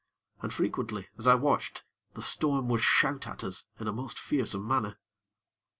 And frequently, as I watched, the storm would shout at us in a most fearsome manner.